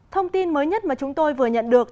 thông tin mới nhất mà chúng tôi vừa nhận được